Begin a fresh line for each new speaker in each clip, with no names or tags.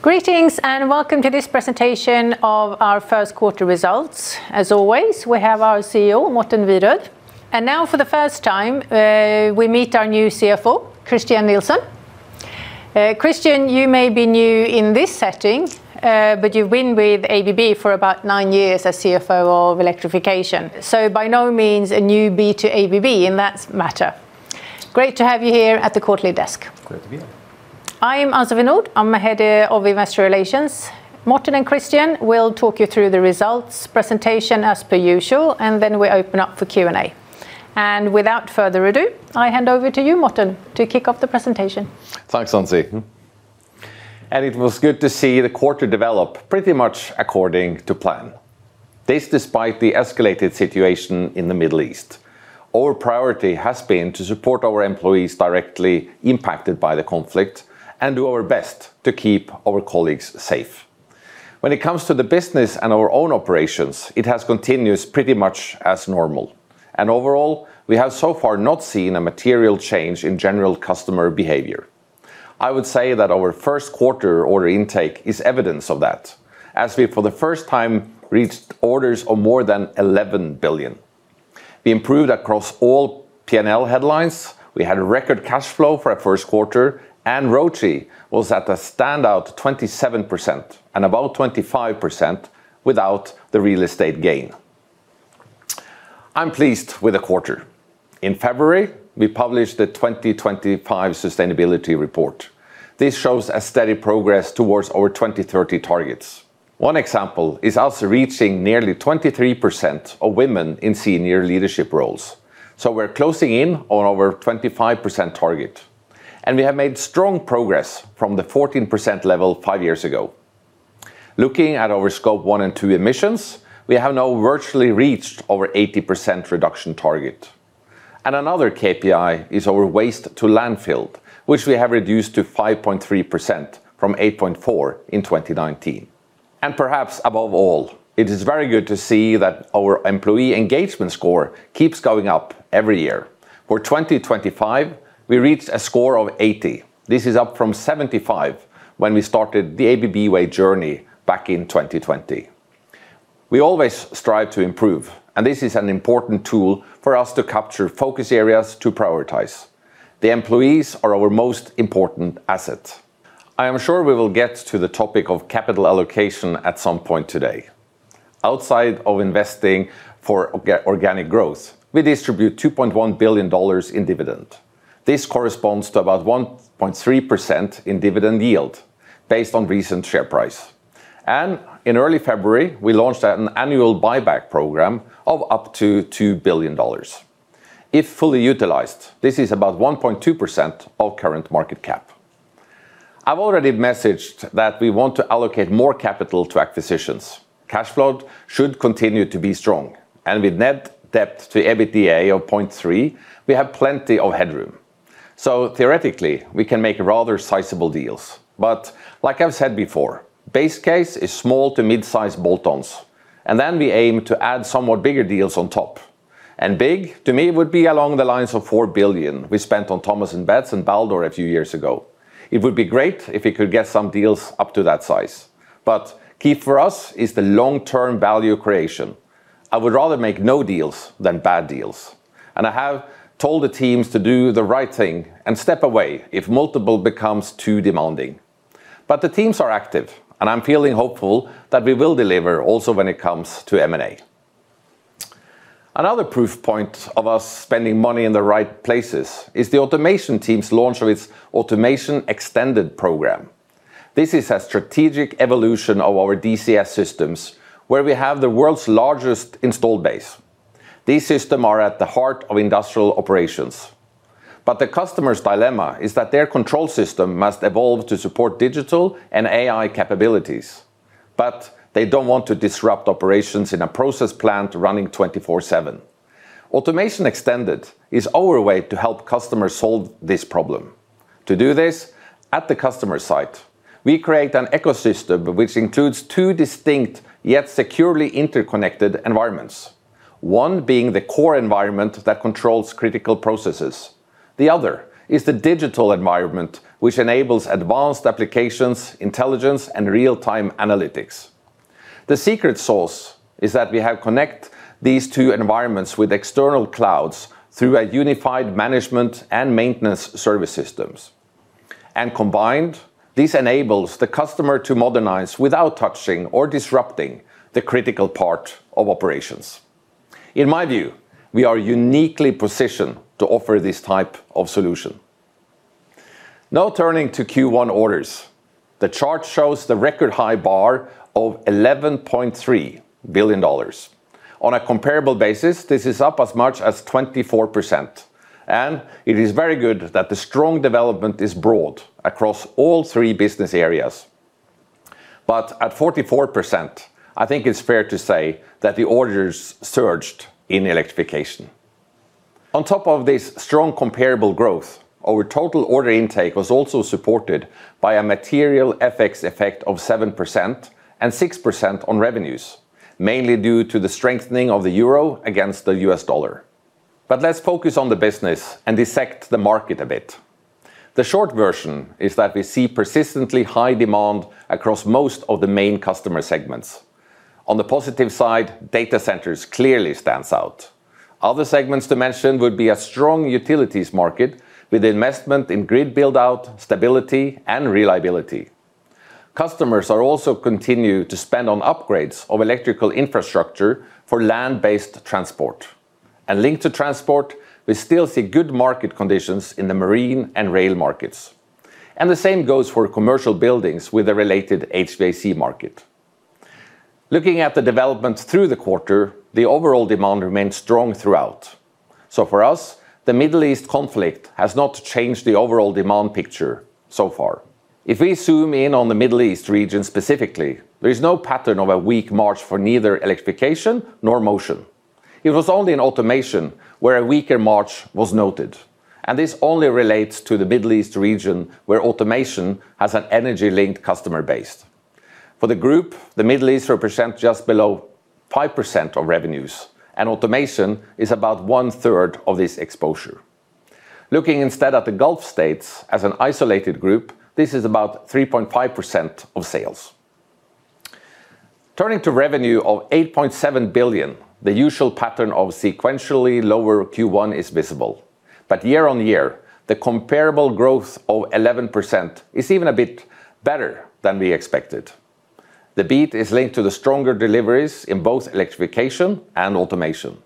Greetings, and welcome to this presentation of our Q1 results. As always, we have our CEO, Morten Wierod, and now for the first time, we meet our new CFO, Christian Nilsson. Christian, you may be new in this setting, but you've been with ABB for about nine years as CFO of Electrification. By no means a newbie to ABB in that matter. Great to have you here at the quarterly desk.
Great to be here.
I am Ann-Sofie Nordh. I'm Head of Investor Relations. Morten and Christian will talk you through the results presentation as per usual, and then we open up for Q&A. Without further ado, I hand over to you, Morten, to kick off the presentation.
Thanks, Ann-Sofie. It was good to see the quarter develop pretty much according to plan. This despite the escalated situation in the Middle East. Our priority has been to support our employees directly impacted by the conflict and do our best to keep our colleagues safe. When it comes to the business and our own operations, it has continued pretty much as normal. Overall, we have so far not seen a material change in general customer behavior. I would say that our Q1 order intake is evidence of that, as we, for the first time, reached orders of more than $11 billion. We improved across all P&L headlines, we had record cash flow for a Q1, and ROCE was at a standout 27%, and about 25% without the real estate gain. I'm pleased with the quarter. In February, we published the 2025 sustainability report. This shows a steady progress towards our 2030 targets. One example is us reaching nearly 23% of women in senior leadership roles. We're closing in on our 25% target, and we have made strong progress from the 14% level five years ago. Looking at our Scope 1 and 2 emissions, we have now virtually reached our 80% reduction target. Another KPI is our waste to landfill, which we have reduced to 5.3% from 8.4% in 2019. Perhaps above all, it is very good to see that our employee engagement score keeps going up every year. For 2025, we reached a score of 80. This is up from 75 when we started the ABB Way journey back in 2020. We always strive to improve, and this is an important tool for us to capture focus areas to prioritize. The employees are our most important asset. I am sure we will get to the topic of capital allocation at some point today. Outside of investing for organic growth, we distribute $2.1 billion in dividend. This corresponds to about 1.3% in dividend yield based on recent share price. In early February, we launched an annual buyback program of up to $2 billion. If fully utilized, this is about 1.2% of current market cap. I've already messaged that we want to allocate more capital to acquisitions. Cash flow should continue to be strong. With net debt to EBITDA of 0.3, we have plenty of headroom. Theoretically, we can make rather sizable deals. Like I've said before, base case is small to mid-size bolt-ons, and then we aim to add somewhat bigger deals on top. Big to me would be along the lines of $4 billion we spent on Thomas & Betts and Baldor a few years ago. It would be great if we could get some deals up to that size. Key for us is the long-term value creation. I would rather make no deals than bad deals, and I have told the teams to do the right thing and step away if multiple becomes too demanding. The teams are active, and I'm feeling hopeful that we will deliver also when it comes to M&A. Another proof point of us spending money in the right places is the automation team's launch of its Automation Extended program. This is a strategic evolution of our DCS systems, where we have the world's largest installed base. These systems are at the heart of industrial operations, but the customer's dilemma is that their control system must evolve to support digital and AI capabilities. They don't want to disrupt operations in a process plant running 24/7. Automation Extended is our way to help customers solve this problem. To do this, at the customer site, we create an ecosystem which includes two distinct yet securely interconnected environments, one being the core environment that controls critical processes. The other is the digital environment, which enables advanced applications, intelligence, and real-time analytics. The secret sauce is that we have connected these two environments with external clouds through a unified management and maintenance service systems. Combined, this enables the customer to modernize without touching or disrupting the critical part of operations. In my view, we are uniquely positioned to offer this type of solution. Now turning to Q1 orders. The chart shows the record high bar of $11.3 billion. On a comparable basis, this is up as much as 24%, and it is very good that the strong development is broad across all three business areas. At 44%, I think it's fair to say that the orders surged in Electrification. On top of this strong comparable growth, our total order intake was also supported by a material FX effect of 7% and 6% on revenues, mainly due to the strengthening of the euro against the U.S. dollar. Let's focus on the business and dissect the market a bit. The short version is that we see persistently high demand across most of the main customer segments. On the positive side, data centers clearly stands out. Other segments to mention would be a strong utilities market with investment in grid build out, stability, and reliability. Customers are also continuing to spend on upgrades of electrical infrastructure for land-based transport. Linked to transport, we still see good market conditions in the marine and rail markets. The same goes for commercial buildings with a related HVAC market. Looking at the developments through the quarter, the overall demand remained strong throughout. For us, the Middle East conflict has not changed the overall demand picture so far. If we zoom in on the Middle East region specifically, there is no pattern of a weak March for neither Electrification nor Motion. It was only in Automation where a weaker March was noted, and this only relates to the Middle East region, where Automation has an energy-linked customer base. For the group, the Middle East represents just below 5% of revenues, and Automation is about 1/3 of this exposure. Looking instead at the Gulf states as an isolated group, this is about 3.5% of sales. Turning to revenue of $8.7 billion, the usual pattern of sequentially lower Q1 is visible. Year-on-year, the comparable growth of 11% is even a bit better than we expected. The beat is linked to the stronger deliveries in both Electrification and Automation.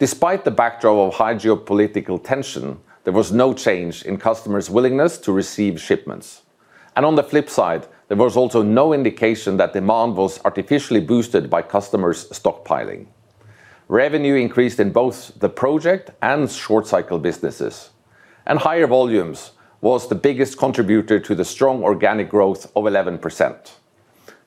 Despite the backdrop of high geopolitical tension, there was no change in customers' willingness to receive shipments. On the flip side, there was also no indication that demand was artificially boosted by customers stockpiling. Revenue increased in both the project and short cycle businesses, and higher volumes was the biggest contributor to the strong organic growth of 11%.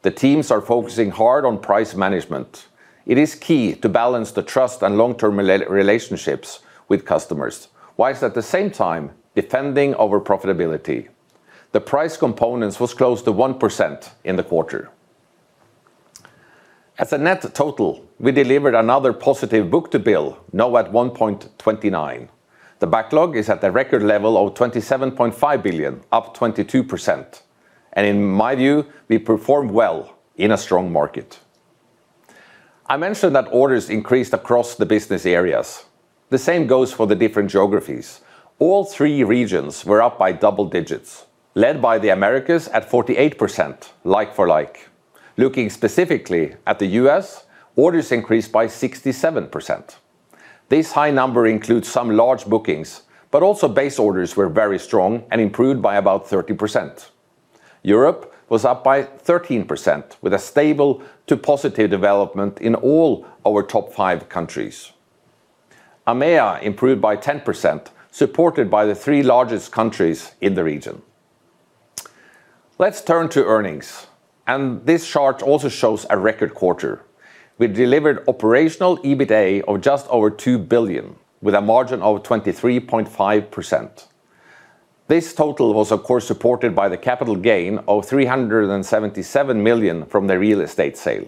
The teams are focusing hard on price management. It is key to balance the trust and long-term relationships with customers, while at the same time defending our profitability. The price components was close to 1% in the quarter. As a net total, we delivered another positive book-to-bill, now at 1.29. The backlog is at the record level of $27.5 billion, up 22%, and in my view, we performed well in a strong market. I mentioned that orders increased across the business areas. The same goes for the different geographies. All three regions were up by double digits, led by the Americas at 48%, like-for-like. Looking specifically at the U.S., orders increased by 67%. This high number includes some large bookings, but also base orders were very strong and improved by about 30%. Europe was up by 13%, with a stable to positive development in all our top five countries. EMEA improved by 10%, supported by the three largest countries in the region. Let's turn to earnings, and this chart also shows a record quarter. We delivered operational EBITA of just over $2 billion, with a margin of 23.5%. This total was, of course, supported by the capital gain of $377 million from the real estate sale.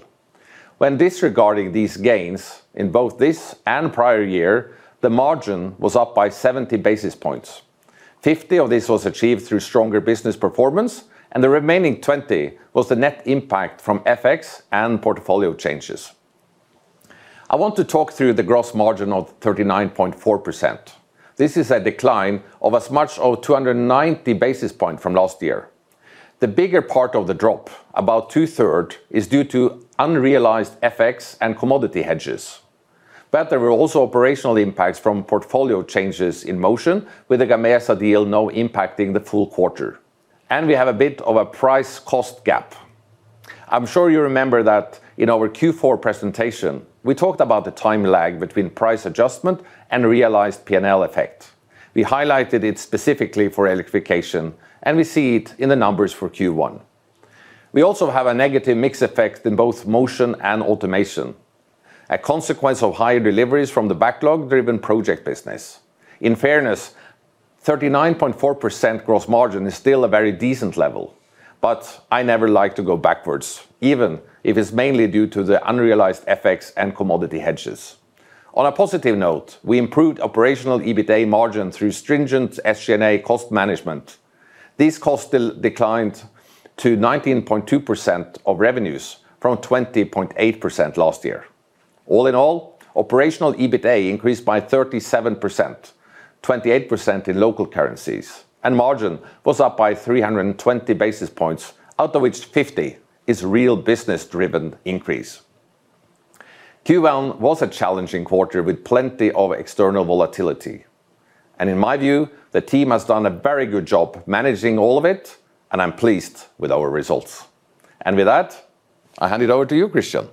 When disregarding these gains in both this and prior year, the margin was up by 70 basis points. 50 of this was achieved through stronger business performance, and the remaining 20 was the net impact from FX and portfolio changes. I want to talk through the gross margin of 39.4%. This is a decline of as much as 290 basis points from last year. The bigger part of the drop, about 2/3, is due to unrealized FX and commodity hedges. But there were also operational impacts from portfolio changes in Motion with the Gamesa deal now impacting the full quarter. We have a bit of a price-cost gap. I'm sure you remember that in our Q4 presentation, we talked about the time lag between price adjustment and realized P&L effect. We highlighted it specifically for Electrification, and we see it in the numbers for Q1. We also have a negative mix effect in both Motion and automation, a consequence of higher deliveries from the backlog-driven project business. In fairness, 39.4% gross margin is still a very decent level, but I never like to go backwards, even if it's mainly due to the unrealized FX and commodity hedges. On a positive note, we improved operational EBITDA margin through stringent SG&A cost management. These costs declined to 19.2% of revenues from 20.8% last year. All in all, operational EBITDA increased by 37%, 28% in local currencies, and margin was up by 320 basis points, out of which 50 is real business-driven increase. Q1 was a challenging quarter with plenty of external volatility, and in my view, the team has done a very good job managing all of it, and I'm pleased with our results. With that, I hand it over to you, Christian.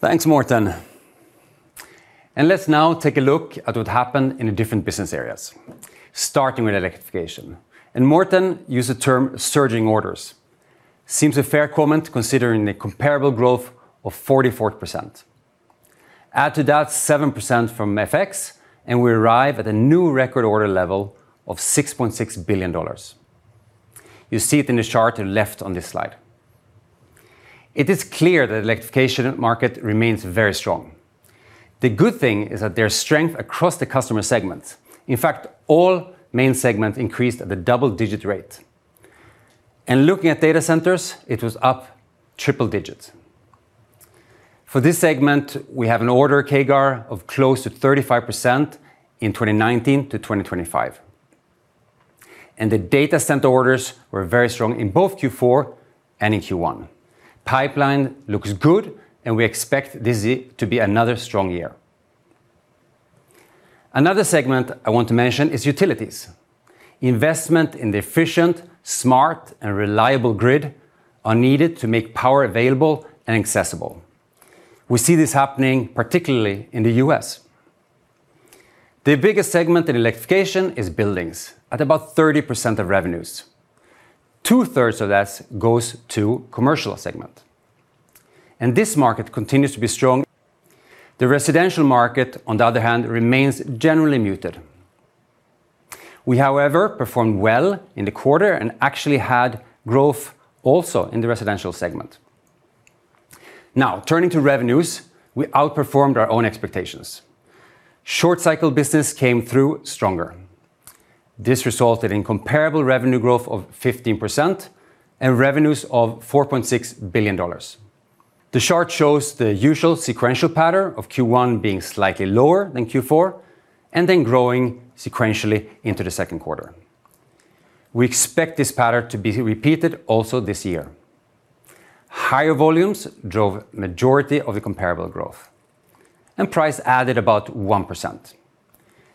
Thanks, Morten. Let's now take a look at what happened in the different business areas, starting with Electrification. In Morten use the term surging orders. Seems a fair comment considering the comparable growth of 44%. Add to that 7% from FX, and we arrive at a new record order level of $6.6 billion. You see it in the chart to left on this slide. It is clear the Electrification market remains very strong. The good thing is that there's strength across the customer segments. In fact, all main segments increased at a double-digit rate. Looking at data centers, it was up triple digits. For this segment, we have an order CAGR of close to 35% in 2019 to 2025. The data center orders were very strong in both Q4 and in Q1. Pipeline looks good, and we expect this year to be another strong year. Another segment I want to mention is utilities. Investment in the efficient, smart, and reliable grid are needed to make power available and accessible. We see this happening particularly in the U.S. The biggest segment in Electrification is buildings, at about 30% of revenues. 2/3 of that goes to commercial segment. This market continues to be strong. The residential market, on the other hand, remains generally muted. We, however, performed well in the quarter and actually had growth also in the residential segment. Now turning to revenues, we outperformed our own expectations. Short cycle business came through stronger. This resulted in comparable revenue growth of 15% and revenues of $4.6 billion. The chart shows the usual sequential pattern of Q1 being slightly lower than Q4, and then growing sequentially into the Q2. We expect this pattern to be repeated also this year. Higher volumes drove majority of the comparable growth, and price added about 1%.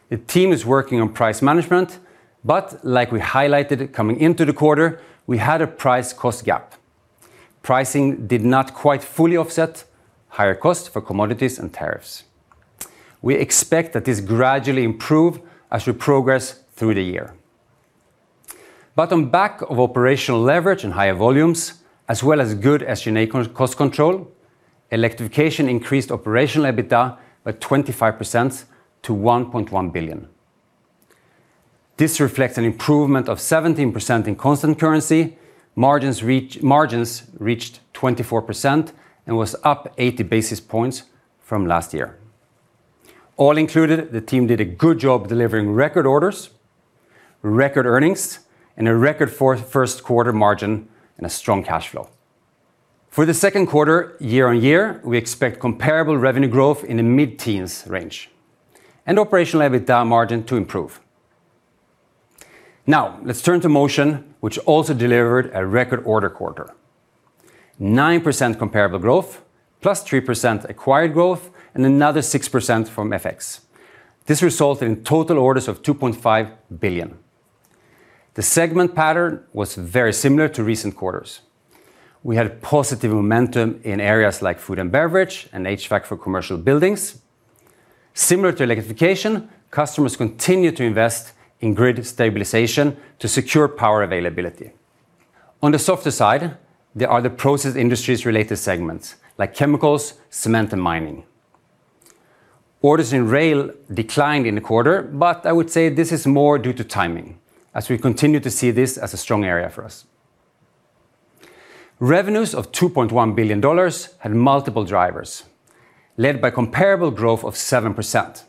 The team is working on price management, but like we highlighted coming into the quarter, we had a price-cost gap. Pricing did not quite fully offset higher costs for commodities and tariffs. We expect that this will gradually improve as we progress through the year. On the back of operational leverage and higher volumes, as well as good SG&A cost control, Electrification increased operational EBITDA by 25% to $1.1 billion. This reflects an improvement of 17% in constant currency. Margins reached 24% and was up 80 basis points from last year. All in all, the team did a good job delivering record orders, record earnings, and a record Q1 margin and a strong cash flow. For the Q2 year-on-year, we expect comparable revenue growth in the mid-teens range, and operational EBITDA margin to improve. Now let's turn to Motion, which also delivered a record order quarter. 9% comparable growth, plus 3% acquired growth, and another 6% from FX. This resulted in total orders of $2.5 billion. The segment pattern was very similar to recent quarters. We had positive momentum in areas like food and beverage and HVAC for commercial buildings. Similar to Electrification, customers continued to invest in grid stabilization to secure power availability. On the softer side, there are the process industries related segments like chemicals, cement, and mining. Orders in rail declined in the quarter, but I would say this is more due to timing, as we continue to see this as a strong area for us. Revenues of $2.1 billion had multiple drivers, led by comparable growth of 7%.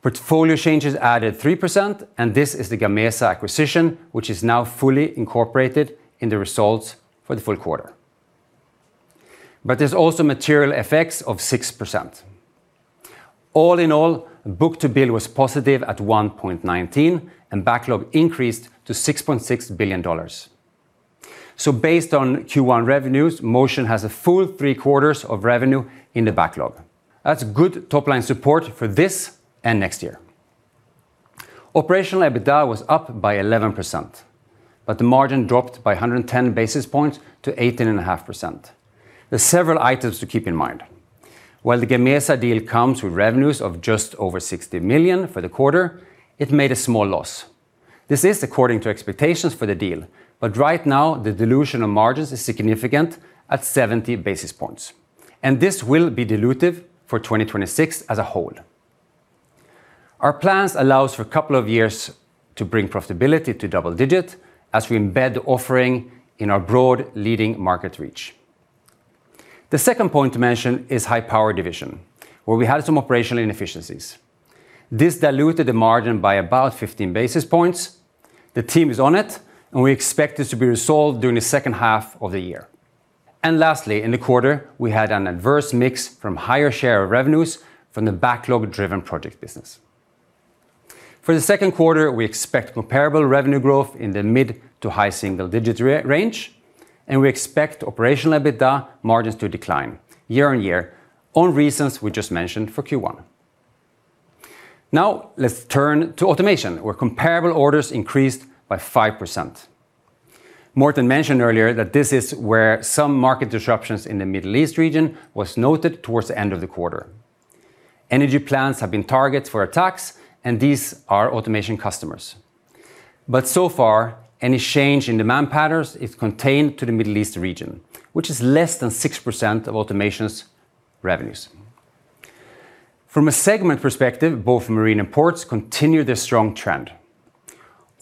Portfolio changes added 3%, and this is the Gamesa acquisition, which is now fully incorporated in the results for the full quarter. There's also material effects of 6%. All in all, book-to-bill was positive at 1.19, and backlog increased to $6.6 billion. Based on Q1 revenues, Motion has a full three-quarters of revenue in the backlog. That's good top-line support for this and next year. Operational EBITDA was up by 11%, but the margin dropped by 110 basis points to 18.5%. There's several items to keep in mind. While the Gamesa deal comes with revenues of just over $60 million for the quarter, it made a small loss. This is according to expectations for the deal, but right now the dilution of margins is significant at 70 basis points, and this will be dilutive for 2026 as a whole. Our plans allows for a couple of years to bring profitability to double digit as we embed the offering in our broad leading market reach. The second point to mention is High Power Division, where we had some operational inefficiencies. This diluted the margin by about 15 basis points. The team is on it, and we expect this to be resolved during the H2 of the year. Lastly, in the quarter, we had an adverse mix from higher share of revenues from the backlog-driven project business. For the Q2, we expect comparable revenue growth in the mid to high single-digit range, and we expect operational EBITDA margins to decline year-on-year on reasons we just mentioned for Q1. Now let's turn to Automation, where comparable orders increased by 5%. Morten mentioned earlier that this is where some market disruptions in the Middle East region was noted towards the end of the quarter. Energy plants have been targeted for attacks, and these are Automation customers. So far, any change in demand patterns is contained to the Middle East region, which is less than 6% of Automation's revenues. From a segment perspective, both marine and ports continued their strong trend.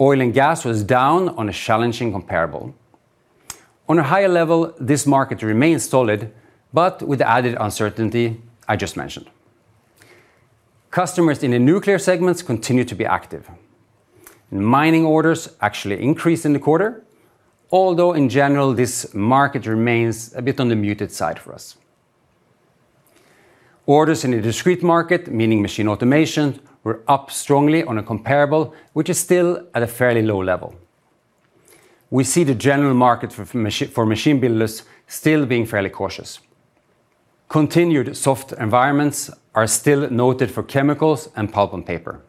Oil and gas was down on a challenging comparable. On a higher level, this market remains solid, but with added uncertainty I just mentioned. Customers in the nuclear segments continue to be active, and mining orders actually increased in the quarter, although in general, this market remains a bit on the muted side for us. Orders in the discrete market, meaning machine automation, were up strongly on a comparable, which is still at a fairly low level. We see the general market for machine builders still being fairly cautious. Continued soft environments are still noted for chemicals and pulp and paper.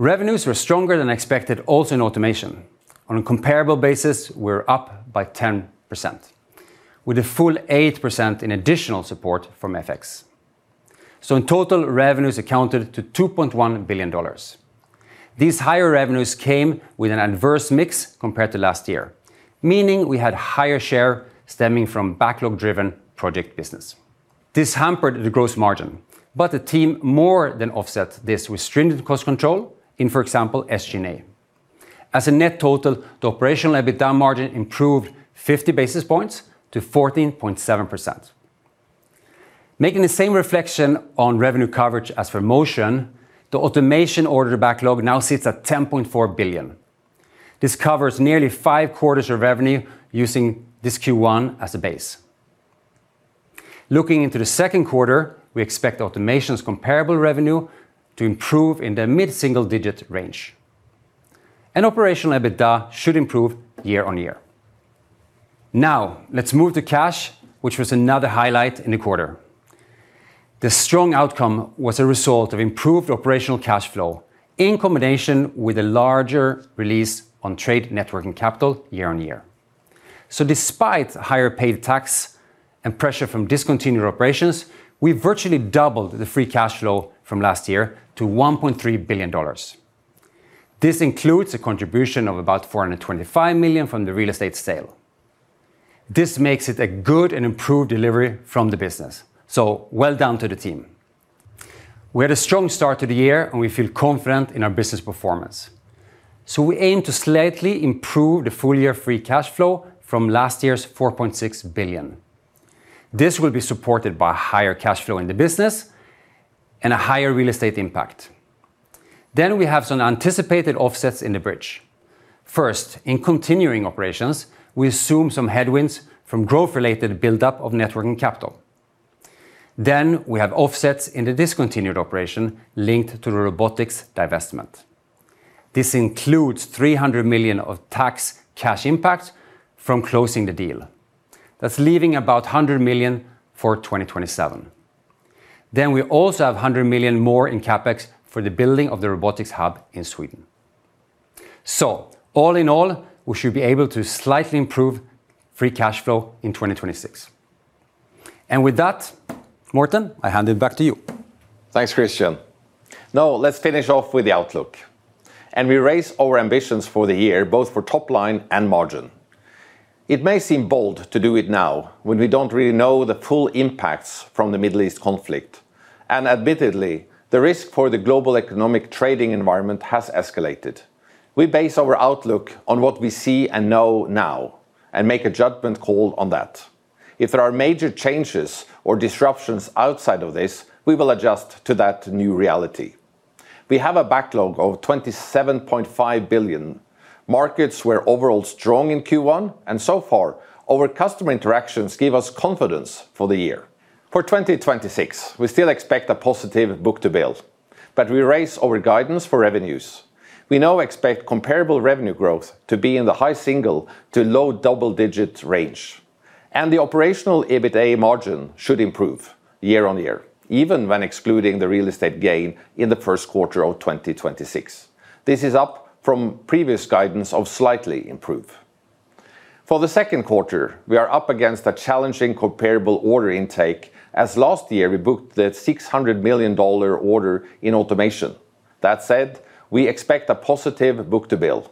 Revenues were stronger than expected also in automation. On a comparable basis, we're up by 10%, with a full 8% in additional support from FX. In total, revenues amounted to $2.1 billion. These higher revenues came with an adverse mix compared to last year, meaning we had higher share stemming from backlog-driven project business. This hampered the gross margin, but the team more than offset this with stringent cost control in, for example, SG&A. As a net total, the operational EBITDA margin improved 50 basis points to 14.7%. Making the same reflection on revenue coverage as for Motion, the automation order backlog now sits at $10.4 billion. This covers nearly five quarters of revenue using this Q1 as a base. Looking into the Q2, we expect automation's comparable revenue to improve in the mid-single-digit range. Operational EBITDA should improve year-on-year. Now, let's move to cash, which was another highlight in the quarter. The strong outcome was a result of improved operational cash flow in combination with a larger release on trade net working capital year-on-year. Despite higher paid tax and pressure from discontinued operations, we virtually doubled the free cash flow from last year to $1.3 billion. This includes a contribution of about $425 million from the real estate sale. This makes it a good and improved delivery from the business, so well done to the team. We had a strong start to the year, and we feel confident in our business performance, so we aim to slightly improve the full-year free cash flow from last year's $4.6 billion. This will be supported by higher cash flow in the business and a higher real estate impact. We have some anticipated offsets in the bridge. First, in continuing operations, we assume some headwinds from growth-related buildup of net working capital. We have offsets in the discontinued operation linked to the robotics divestment. This includes $300 million of tax cash impact from closing the deal. That's leaving about $100 million for 2027. We also have $100 million more in CapEx for the building of the robotics hub in Sweden. All in all, we should be able to slightly improve free cash flow in 2026. With that, Morten, I hand it back to you.
Thanks, Christian. Now let's finish off with the outlook. We raise our ambitions for the year, both for top line and margin. It may seem bold to do it now when we don't really know the full impacts from the Middle East conflict, and admittedly, the risk for the global economic trading environment has escalated. We base our outlook on what we see and know now, and make a judgment call on that. If there are major changes or disruptions outside of this, we will adjust to that new reality. We have a backlog of $27.5 billion. Markets were overall strong in Q1, and so far, our customer interactions give us confidence for the year. For 2026, we still expect a positive book-to-bill, but we raise our guidance for revenues. We now expect comparable revenue growth to be in the high single-digit to low double-digit range, and the operational EBITDA margin should improve year-on-year, even when excluding the real estate gain in the Q1 of 2026. This is up from previous guidance of slightly improve. For the Q2, we are up against a challenging comparable order intake, as last year we booked the $600 million order in automation. That said, we expect a positive book-to-bill.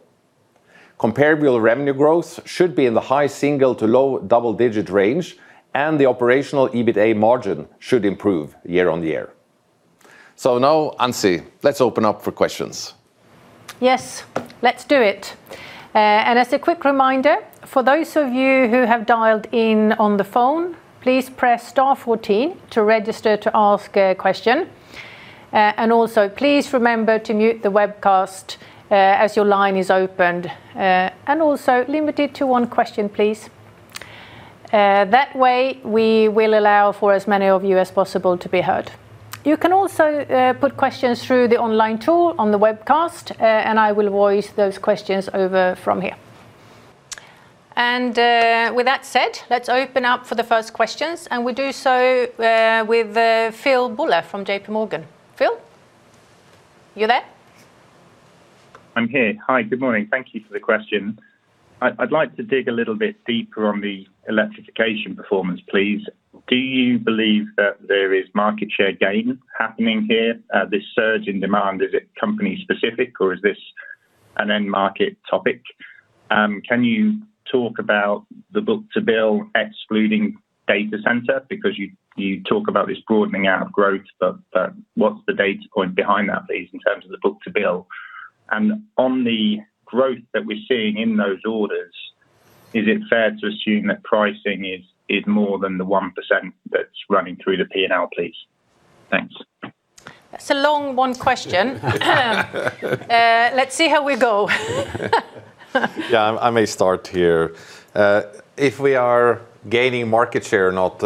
Comparable revenue growth should be in the high single-digit to low double-digit range, and the operational EBITDA margin should improve year-on-year. Now, Ann-Sofie, let's open up for questions.
Yes, let's do it. As a quick reminder, for those of you who have dialed in on the phone, please press star 40 to register to ask a question. Also, please remember to mute the webcast as your line is opened. Also, limited to one question, please. That way, we will allow for as many of you as possible to be heard. You can also put questions through the online tool on the webcast, and I will voice those questions over from here. With that said, let's open up for the first questions, and we do so with Phil Buller from JPMorgan. Phil? You there?
I'm here. Hi, good morning. Thank you for the question. I'd like to dig a little bit deeper on the Electrification performance, please. Do you believe that there is market share gain happening here? This surge in demand, is it company specific, or is this An end market topic. Can you talk about the book-to-bill excluding data center? Because you talk about this broadening out of growth, but what's the data point behind that, please, in terms of the book-to-bill? And on the growth that we're seeing in those orders, is it fair to assume that pricing is more than the 1% that's running through the P&L, please? Thanks.
That's a long one question. Let's see how we go.
Yeah, I may start here. If we are gaining market share or not,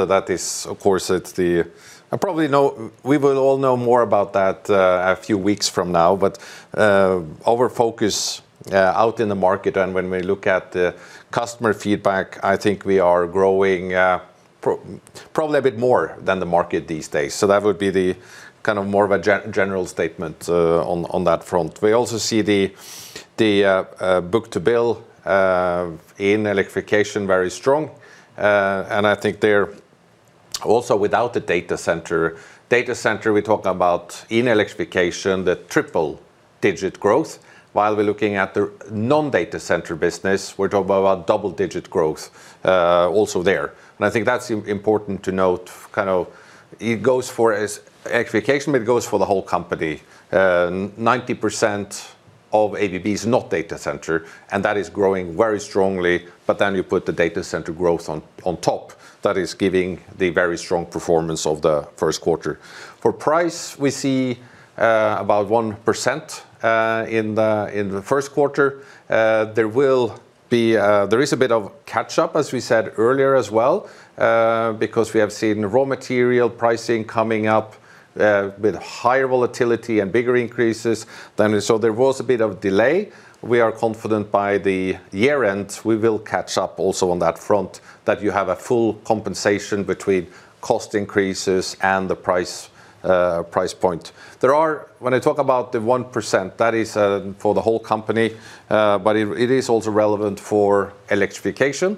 we will all know more about that a few weeks from now. Our focus out in the market and when we look at the customer feedback, I think we are growing probably a bit more than the market these days. That would be more of a general statement on that front. We also see the book-to-bill in Electrification very strong. I think there, also without the data center we're talking about in Electrification, the triple-digit growth, while we're looking at the non-data center business, we're talking about double-digit growth, also there. I think that's important to note, it goes for Electrification, but it goes for the whole company. 90% of ABB is not data center, and that is growing very strongly, but then you put the data center growth on top, that is giving the very strong performance of the Q1. For price, we see about 1% in the Q1. There is a bit of catch-up, as we said earlier as well, because we have seen raw material pricing coming up, with higher volatility and bigger increases than. There was a bit of delay. We are confident by the year-end, we will catch up also on that front that you have a full compensation between cost increases and the price point. When I talk about the 1%, that is for the whole company, but it is also relevant for Electrification.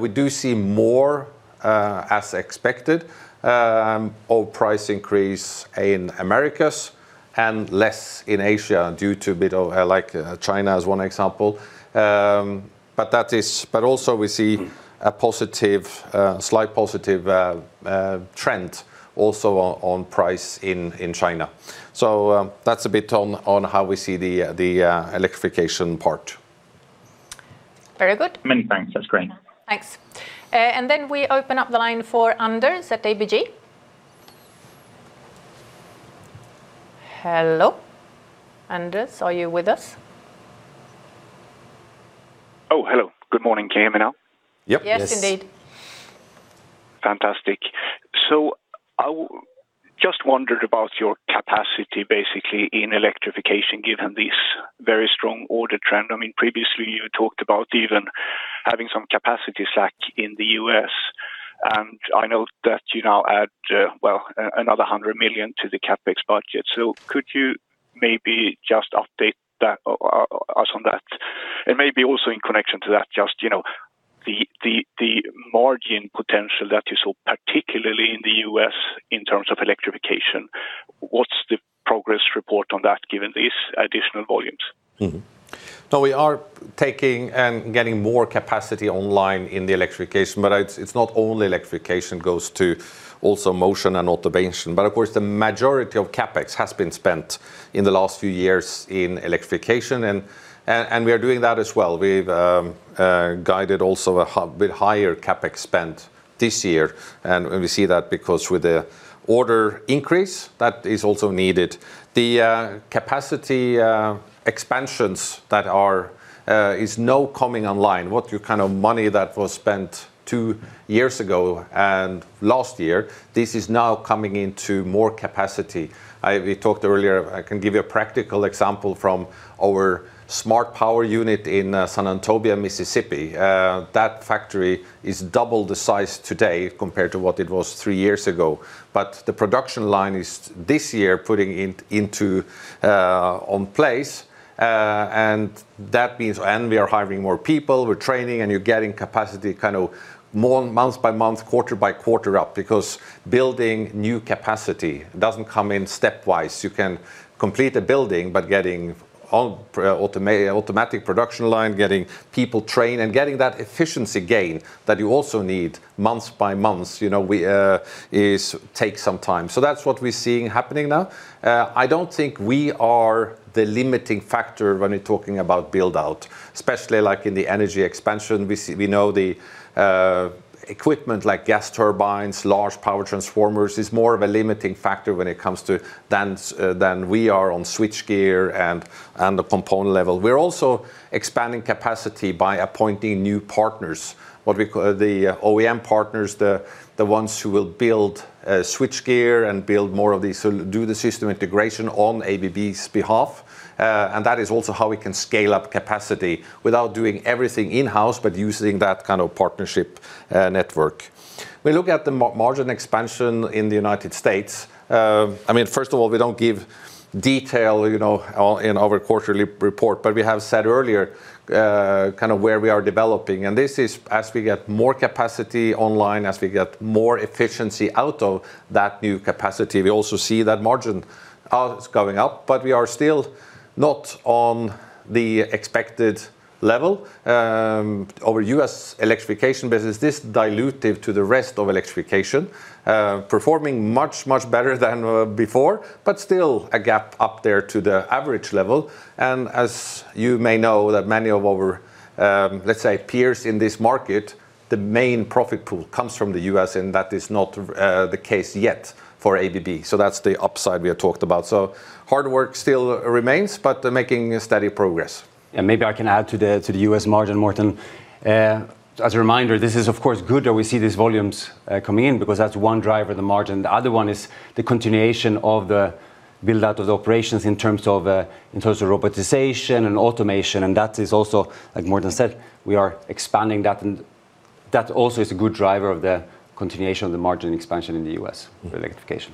We do see more, as expected, of price increase in Americas and less in Asia due to a bit of, like China as one example. Also we see a slight positive trend also on price in China. That's a bit on how we see the Electrification part.
Very good.
Many thanks. That's great.
Thanks. We open up the line for Anders at ABG. Hello? Anders, are you with us?
Oh, hello. Good morning. Can you hear me now?
Yep.
Yes, indeed.
Fantastic. I just wondered about your capacity basically in Electrification, given this very strong order trend. Previously, you talked about even having some capacity slack in the U.S., and I know that you now add, well, another $100 million to the CapEx budget. Could you maybe just update us on that? Maybe also in connection to that, just the margin potential that you saw, particularly in the U.S. in terms of Electrification, what's the progress report on that given these additional volumes?
We are taking and getting more capacity online in Electrification, but it's not only Electrification, goes to also Motion and Automation. Of course, the majority of CapEx has been spent in the last few years in Electrification, and we are doing that as well. We've guided also a bit higher CapEx spend this year, and we see that because with the order increase, that is also needed. The capacity expansions that is now coming online, what kind of money that was spent two years ago and last year, this is now coming into more capacity. We talked earlier, I can give you a practical example from our Smart Power unit in Senatobia, Mississippi. That factory is double the size today compared to what it was three years ago. The production line is this year putting it online. We are hiring more people, we're training, and you're getting capacity kind of more month by month, quarter-by-quarter up, because building new capacity doesn't come in stepwise. You can complete a building, but getting automatic production line, getting people trained, and getting that efficiency gain that you also need month by month, takes some time. That's what we're seeing happening now. I don't think we are the limiting factor when you're talking about build-out, especially like in the energy expansion. We know the equipment like gas turbines, large power transformers, is more of a limiting factor when it comes to, than we are on switchgear and the component level. We're also expanding capacity by appointing new partners, the OEM partners, the ones who will build switchgear and do the system integration on ABB's behalf. that is also how we can scale up capacity without doing everything in-house, but using that kind of partnership network. We look at the margin expansion in the United States. First of all, we don't give detail in our quarterly report, but we have said earlier where we are developing, and this is as we get more capacity online, as we get more efficiency out of that new capacity, we also see that margin is going up, but we are still not on the expected level. Our U.S. Electrification business, this dilutive to the rest of Electrification, performing much, much better than before, but still a gap up there to the average level. As you may know that many of our, let's say, peers in this market, the main profit pool comes from the U.S., and that is not the case yet for ABB. That's the upside we have talked about. Hard work still remains, but making steady progress.
Maybe I can add to the U.S. margin, Morten. As a reminder, this is, of course, good that we see these volumes coming in because that's one driver of the margin. The other one is the continuation of the build-out of the operations in terms of robotization and automation. That is also, like Morten said, we are expanding that, and that also is a good driver of the continuation of the margin expansion in the U.S. for Electrification.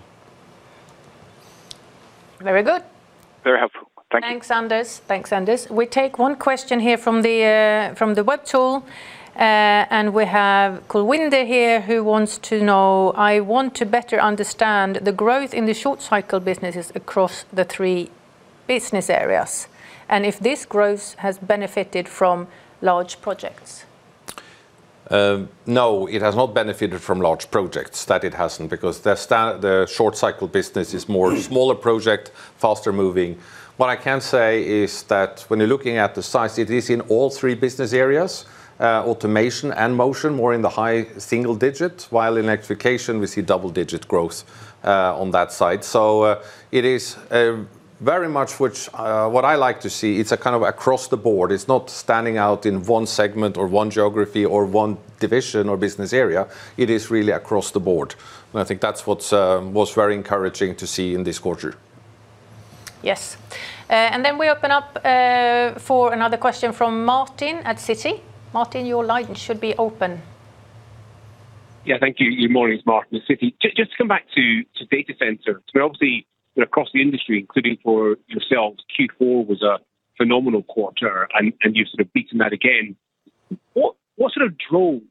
Very good.
Very helpful. Thank you.
Thanks, Anders. We take one question here from the web tool, and we have [Kulwinder] here who wants to know, I want to better understand the growth in the short cycle businesses across the three business areas and if this growth has benefited from large projects.
No, it has not benefited from large projects. That it hasn't, because the short-cycle business is more small projects, faster moving. What I can say is that when you're looking at the size, it is in all three business areas, Automation and Motion, more in the high single-digit, while Electrification, we see double-digit growth on that side. It is very much what I like to see. It's across the board. It's not standing out in one segment or one geography or one division or business area. It is really across the board. I think that's what's most very encouraging to see in this quarter.
Yes. We open up for another question from Martin at Citigroup. Martin, your line should be open.
Yeah, thank you. Good morning. It's Martin at Citigroup. Just to come back to data center, obviously across the industry, including for yourselves, Q4 was a phenomenal quarter, and you've sort of beaten that again. What sort of drove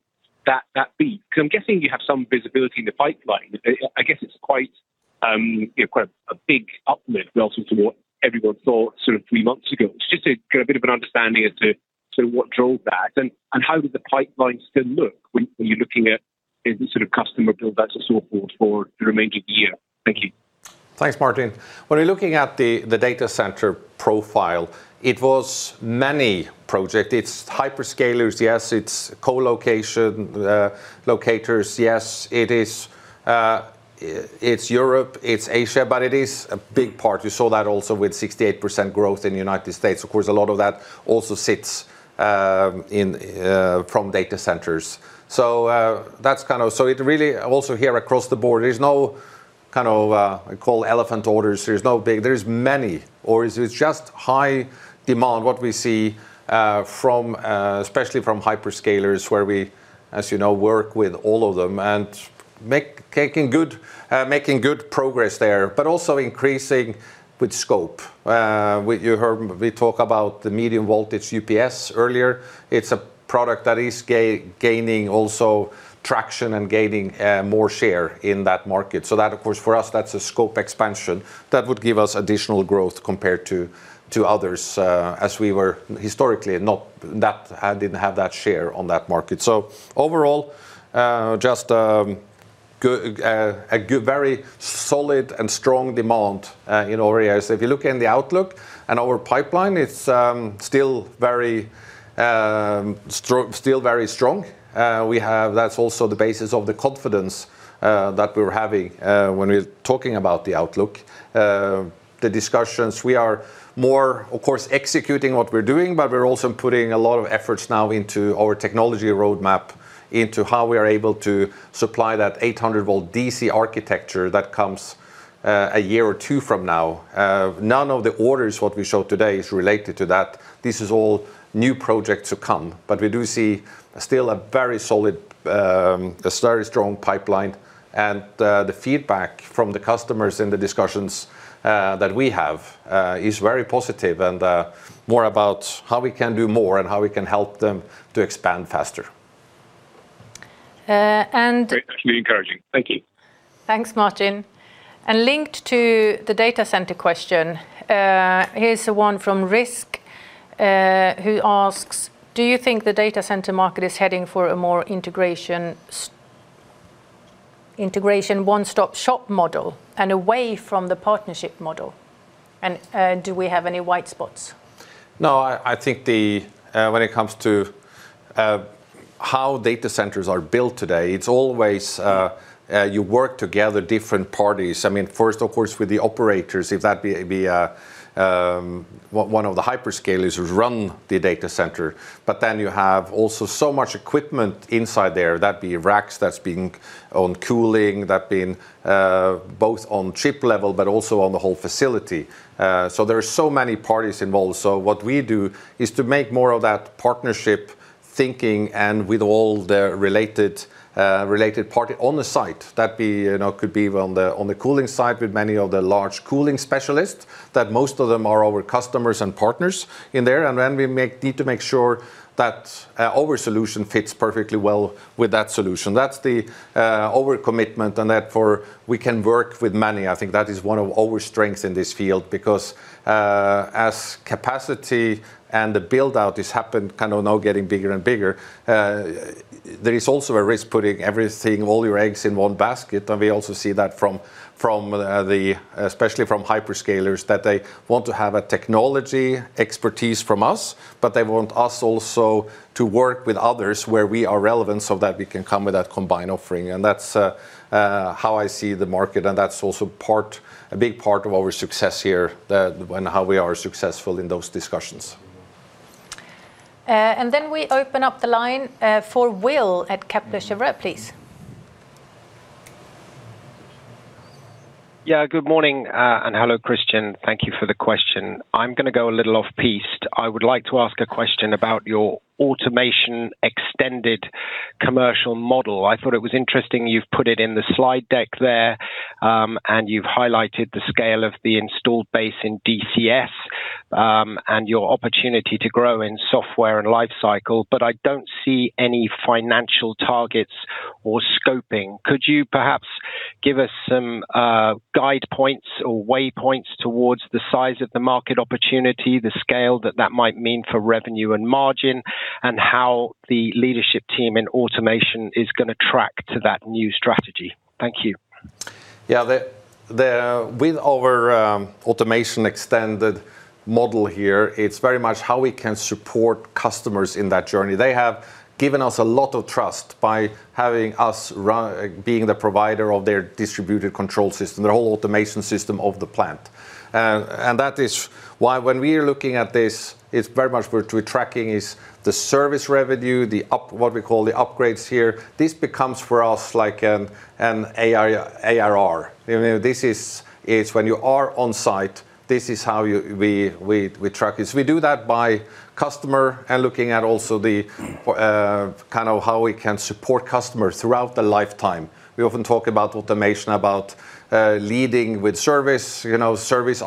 that beat? Because I'm guessing you have some visibility in the pipeline. I guess it's quite a big uplift relative to what everyone thought three months ago. Just to get a bit of an understanding as to what drove that and how did the pipeline still look when you're looking at customer build backs and so forth for the remainder of the year. Thank you.
Thanks, Martin. When you're looking at the data center profile, it was many projects. It's hyperscalers, yes, it's colocation operators, yes. It's Europe, it's Asia, but it is a big part. We saw that also with 68% growth in the United States. Of course, a lot of that also stems from data centers. It really also here across the board, there's no kind of one elephant orders. There's many, or it's just high demand. What we see especially from hyperscalers, where we, as you know, work with all of them and making good progress there, but also increasing with scope. You heard we talk about the medium voltage UPS earlier. It's a product that is gaining also traction and gaining more share in that market. That, of course, for us, that's a scope expansion that would give us additional growth compared to others, as we were historically. I didn't have that share on that market. Overall, just a very solid and strong demand in our areas. If you look in the outlook and our pipeline, it's still very strong. That's also the basis of the confidence that we're having when we're talking about the outlook. The discussions, we are more, of course, executing what we're doing, but we're also putting a lot of efforts now into our technology roadmap into how we are able to supply that 800-volt DC architecture that comes a year or two from now. None of the orders that we show today is related to that. This is all new projects to come. We do see still a very solid, a very strong pipeline, and the feedback from the customers in the discussions that we have is very positive and more about how we can do more and how we can help them to expand faster.
That's really encouraging. Thank you.
Thanks, Martin. Linked to the data center question, here's one from Risk who asks, Do you think the data center market is heading for a more integration one-stop shop model and away from the partnership model? And do we have any white spots?
No, I think when it comes to how data centers are built today, it's always you work together with different parties. First, of course, with the operators, if that's one of the hyperscalers who run the data center. You have also so much equipment inside there, that are racks that's being on cooling, that being both on chip level but also on the whole facility. There are so many parties involved. What we do is to make more of that partnership thinking and with all the related parties on the site. That could be on the cooling side with many of the large cooling specialists, most of them are our customers and partners in there. We need to make sure that our solution fits perfectly well with that solution. That's our commitment, and for that we can work with many. I think that is one of our strengths in this field, because as capacity and the build-out has happened, now getting bigger and bigger, there is also a risk putting everything, all your eggs in one basket. We also see that especially from hyperscalers, that they want to have a technology expertise from us, but they want us also to work with others where we are relevant so that we can come with that combined offering. That's how I see the market, and that's also a big part of our success here and how we are successful in those discussions.
We open up the line for Will at Kepler Cheuvreux, please.
Yeah. Good morning, and hello, Christian. Thank you for the question. I'm going to go a little off-piste. I would like to ask a question about your Automation Extended commercial model. I thought it was interesting you've put it in the slide deck there, and you've highlighted the scale of the installed base in DCS and your opportunity to grow in software and life cycle. But I don't see any financial targets or scoping. Could you perhaps give us some guide points or way points towards the size of the market opportunity, the scale that that might mean for revenue and margin, and how the leadership team in Automation is going to track to that new strategy? Thank you.
Yeah. With our Automation Extended model here, it's very much how we can support customers in that journey. They have given us a lot of trust by having us being the provider of their distributed control system, their whole automation system of the plant. That is why when we are looking at this, it's very much what we're tracking is the service revenue, what we call the upgrades here. This becomes for us like an ARR. When you are on site, this is how we track it. We do that by customer and looking at also the how we can support customers throughout the lifetime. We often talk about automation, about leading with service. Service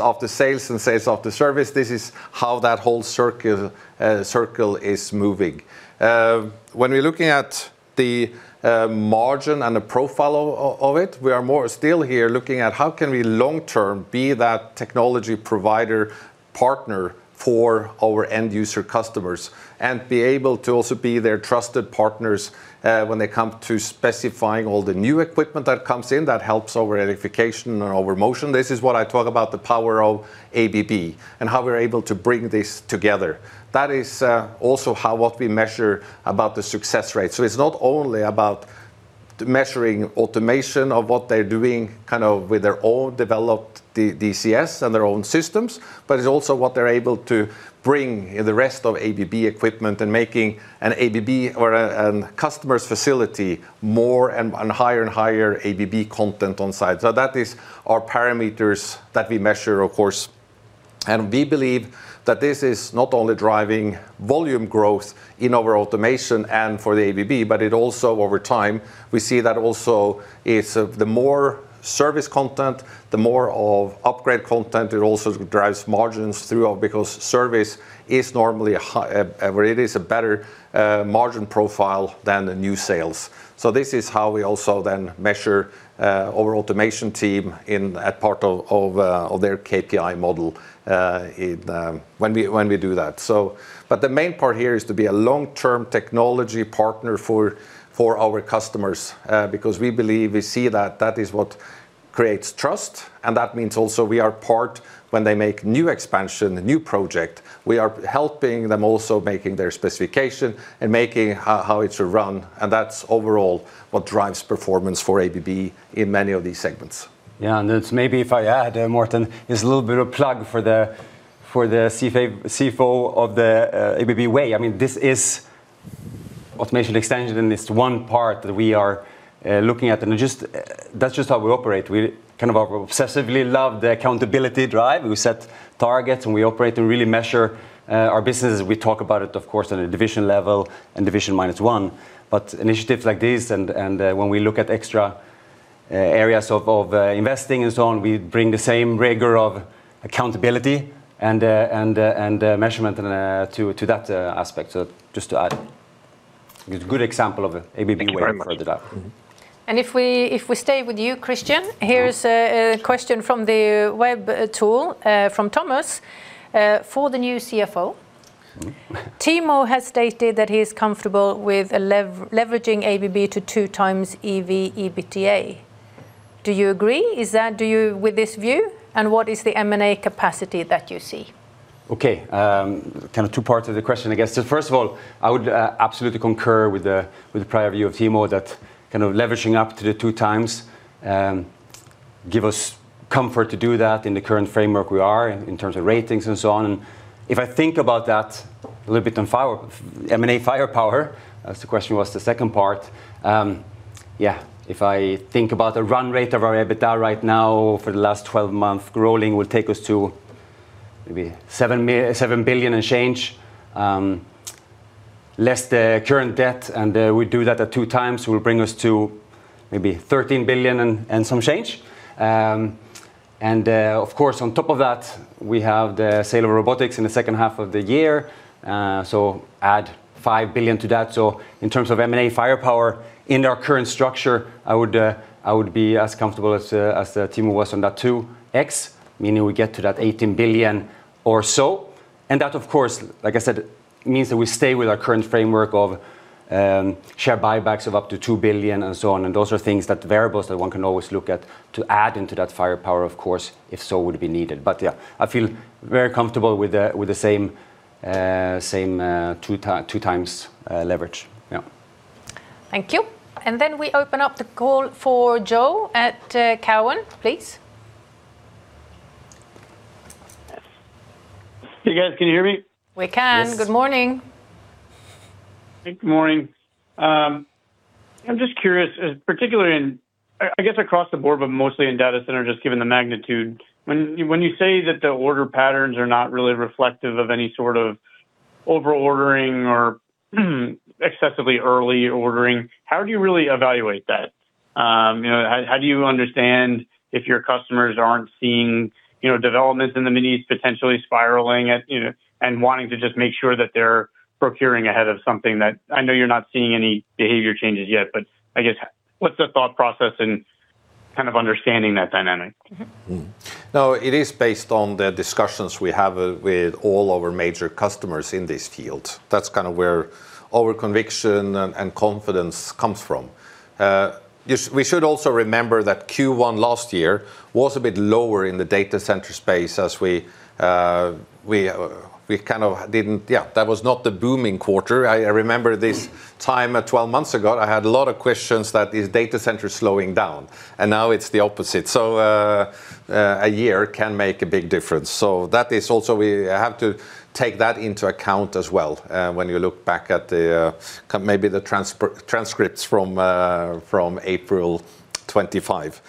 after sales and sales after service. This is how that whole circle is moving. When we're looking at the margin and the profile of it, we are more still here looking at how can we long-term be that technology provider partner for our end user customers and be able to also be their trusted partners, when they come to specifying all the new equipment that comes in, that helps our Electrification and our Motion. This is what I talk about the power of ABB and how we're able to bring this together. That is also how what we measure about the success rate. It's not only about measuring Automation of what they're doing, with their own developed DCS and their own systems, but it's also what they're able to bring the rest of ABB equipment and making an ABB or a customer's facility more and higher ABB content on site. That is our parameters that we measure, of course. We believe that this is not only driving volume growth in our automation and for the ABB, but it also over time, we see that also it's the more service content, the more of upgrade content, it also drives margins through because service is normally a better margin profile than the new sales. This is how we also then measure our automation team in that part of their KPI model when we do that. The main part here is to be a long-term technology partner for our customers, because we believe we see that that is what creates trust, and that means also we are part when they make new expansion, a new project, we are helping them also making their specification and making how it's run, and that's overall what drives performance for ABB in many of these segments.
Yeah. Maybe if I add, Morten, it's a little bit of a plug for the CFO of the ABB Way. This is Automation Extended in this one part that we are looking at. That's just how we operate. We kind of obsessively love the accountability drive. We set targets, and we operate and really measure our businesses. We talk about it, of course, at a division level and division -1. Initiatives like this and when we look at extra areas of investing and so on, we bring the same rigor of accountability and measurement to that aspect. Just to add, a good example of ABB Way further up.
Thank you very much.
If we stay with you, Christian, here is a question from the web tool from Thomas for the new CFO. Timo has stated that he is comfortable with leveraging ABB to 2x EV/EBITDA. Do you agree with this view, and what is the M&A capacity that you see?
Okay. Two parts of the question, I guess. First of all, I would absolutely concur with the prior view of Timo that leveraging up to the 2x give us comfort to do that in the current framework we are in terms of ratings and so on. If I think about that a little bit on M&A firepower, as the question was the second part. Yeah, if I think about the run rate of our EBITDA right now for the last 12 months, growing will take us to maybe $7 billion and change, less the current debt, and we do that at 2x, will bring us to maybe $13 billion and some change. Of course, on top of that, we have the sale of robotics in the H2 of the year, so add $5 billion to that. In terms of M&A firepower in our current structure, I would be as comfortable as Timo was on that 2x, meaning we get to that $18 billion or so. That, of course, like I said, means that we stay with our current framework of share buybacks of up to $2 billion and so on. Those are things that the variables that one can always look at to add into that firepower, of course, if so would be needed. Yeah, I feel very comfortable with the same 2x leverage. Yeah.
Thank you. We open up the call for Joe at Cowen, please.
Hey, guys. Can you hear me?
We can.
Yes.
Good morning.
Good morning. I'm just curious, particularly in, I guess, across the board, but mostly in data center, just given the magnitude, when you say that the order patterns are not really reflective of any sort of over-ordering or excessively early ordering, how do you really evaluate that? How do you understand if your customers aren't seeing developments in the Middle East potentially spiraling, and wanting to just make sure that they're procuring ahead of something that I know you're not seeing any behavior changes yet, but I guess, what's the thought process in understanding that dynamic?
No, it is based on the discussions we have with all our major customers in this field. That's where our conviction and confidence comes from. We should also remember that Q1 last year was a bit lower in the data center space. Yeah, that was not the booming quarter. I remember this time 12 months ago, I had a lot of questions that the data center is slowing down, and now it's the opposite. A year can make a big difference. That is also, we have to take that into account as well, when you look back at maybe the transcripts from April 25.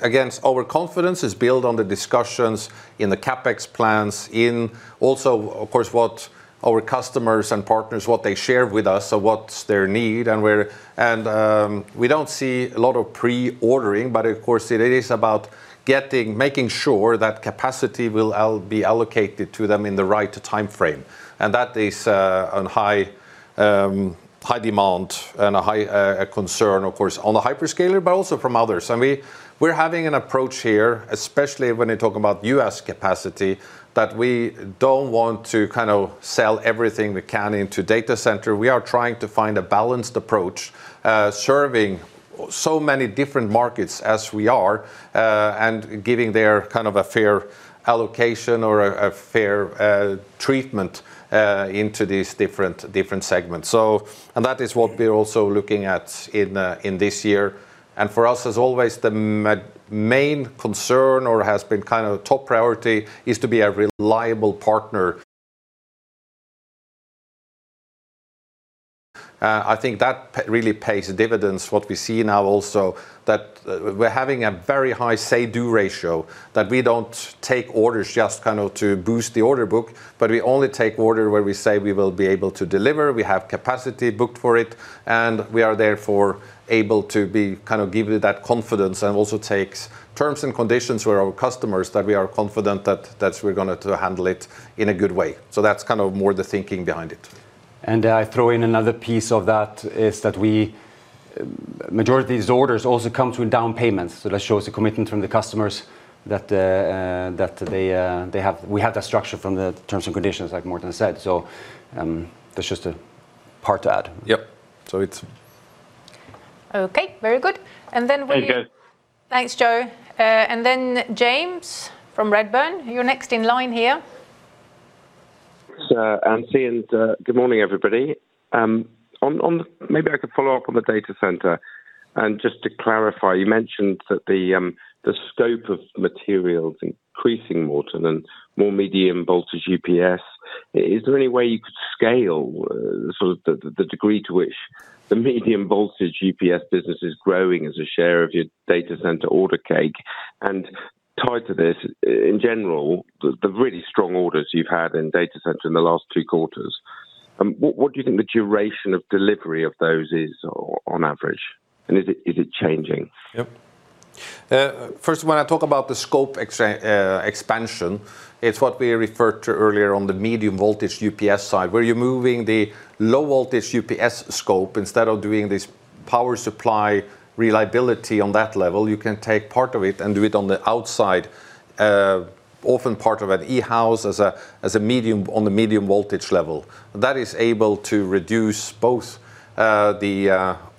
Again, our confidence is built on the discussions in the CapEx plans, and also, of course, what our customers and partners, what they share with us. What's their need, and we don't see a lot of pre-ordering, but of course, it is about making sure that capacity will be allocated to them in the right timeframe. That is on high demand and a high concern, of course, on the hyperscaler, but also from others. We're having an approach here, especially when you talk about U.S. capacity, that we don't want to sell everything we can into data center. We are trying to find a balanced approach, serving so many different markets as we are, and giving them a fair allocation or a fair treatment into these different segments. That is what we're also looking at in this year. For us, as always, the main concern or has been top priority is to be a reliable partner. I think that really pays dividends. What we see now also, that we're having a very high say-do ratio, that we don't take orders just to boost the order book, but we only take orders where we say we will be able to deliver, we have capacity booked for it, and we are therefore able to give you that confidence and also take terms and conditions for our customers that we are confident that we're going to handle it in a good way. That's more the thinking behind it.
I throw in another piece of that is that majority of these orders also come through down payments. That shows a commitment from the customers that we have that structure from the terms and conditions, like Morten said. That's just a part to add.
Yep.
Okay. Very good.
Very good.
Thanks, Joe. James from Redburn. You're next in line here.
Thanks, Ann-Sofie, and good morning, everybody. Maybe I could follow up on the data center. Just to clarify, you mentioned that the scope of material is increasing more than medium voltage UPS. Is there any way you could scale the degree to which the medium voltage UPS business is growing as a share of your data center order book? Tied to this, in general, the really strong orders you've had in data center in the last two quarters, what do you think the duration of delivery of those is on average, and is it changing?
Yep. First, when I talk about the scope expansion, it's what we referred to earlier on the medium voltage UPS side, where you're moving the low voltage UPS scope instead of doing this power supply reliability on that level, you can take part of it and do it on the outside, often part of an E-house on the medium voltage level. That is able to reduce both the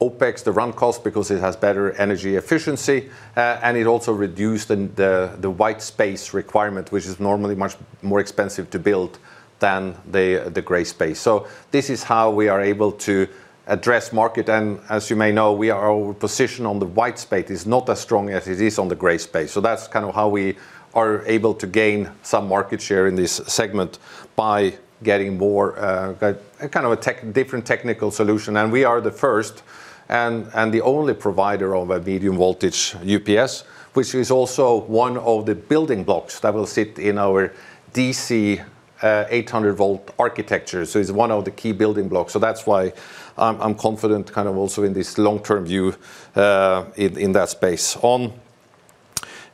OPEX, the run cost, because it has better energy efficiency, and it also reduced the white space requirement, which is normally much more expensive to build than the gray space. This is how we are able to address market, and as you may know, our position on the white space is not as strong as it is on the gray space. That's how we are able to gain some market share in this segment by getting more of a different technical solution. We are the first and the only provider of a medium voltage UPS, which is also one of the building blocks that will sit in our 800-volt DC architecture. It's one of the key building blocks. That's why I'm confident also in this long-term view, in that space.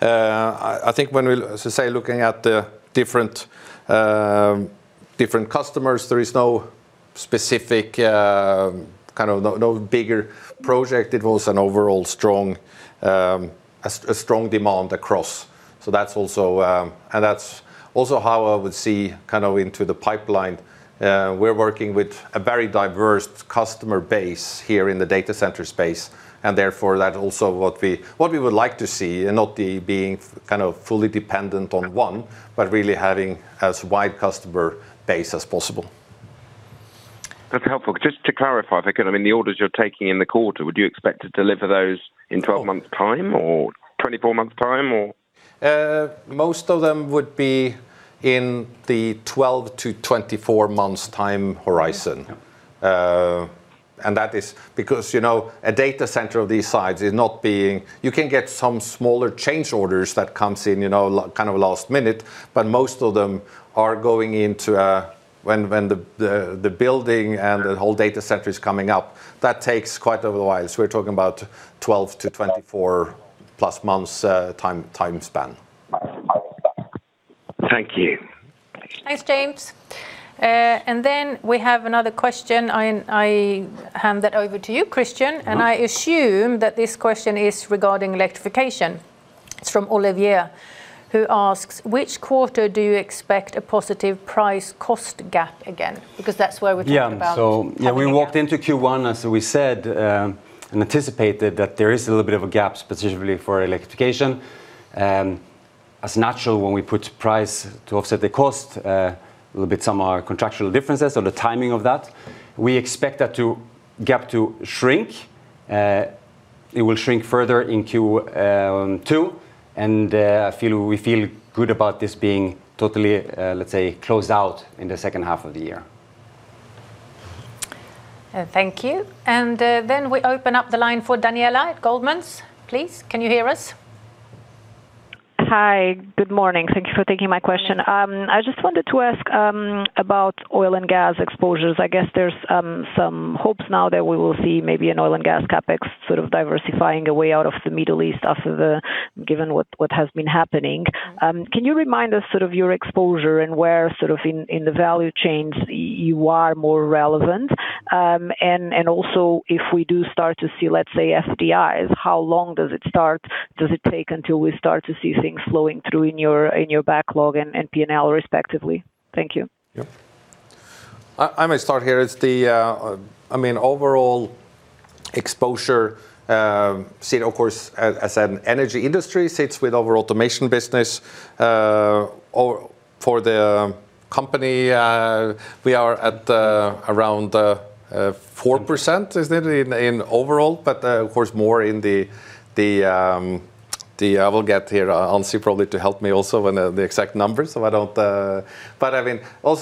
I think when we say looking at the different customers, there is no specific, no bigger project. It was an overall strong demand across. That's also how I would see into the pipeline. We're working with a very diverse customer base here in the data center space, and therefore, that's also what we would like to see, and not being fully dependent on one, but really having as wide customer base as possible.
That's helpful. Just to clarify, on the orders you're taking in the quarter, would you expect to deliver those in 12 months' time or 24 months' time or?
Most of them would be in the 12 months-24 months time horizon. That is because a data center of this size, you can get some smaller change orders that comes in last minute, but most of them are going into when the building and the whole data center is coming up. That takes quite a while. We're talking about 12 months-24+ months time span.
Thank you.
Thanks, James. We have another question. I hand that over to you, Christian. I assume that this question is regarding Electrification. It's from Olivia, who asks, "Which quarter do you expect a positive price-cost gap again?" Because that's where we're talking about.
Yeah. We walked into Q1, as we said, and anticipated that there is a little bit of a gap specifically for Electrification. As is natural when we put price to offset the cost, a little bit some are contractual differences or the timing of that. We expect that gap to shrink. It will shrink further in Q2, and we feel good about this being totally, let's say, closed out in the H2 of the year.
Thank you. We open up the line for Daniela at Goldman Sachs. Please, can you hear us?
Hi. Good morning. Thank you for taking my question. I just wanted to ask about oil and gas exposures. I guess there's some hopes now that we will see maybe an oil and gas CapEx diversifying a way out of the Middle East given what has been happening. Can you remind us your exposure and where in the value chains you are more relevant? Also if we do start to see, let's say, FIDs, how long does it take until we start to see things flowing through in your backlog and P&L respectively? Thank you.
Yeah. I may start here. Overall exposure, seen of course, as an energy industry sits with our automation business. For the company, we are at around 4%, is it, in overall, but of course, more in the- I will get here Ann-Sofie probably to help me also on the exact numbers. Also